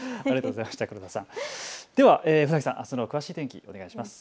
では船木さん、あすの詳しい天気お願いします。